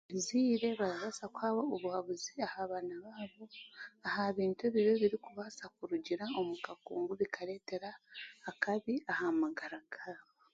Abaziire barabasa kuha obuhambuzi aha baana baabo ahabintu ebibi ebirikubasa kurugira omu kakungu bikaretera akabi aha magara gabo.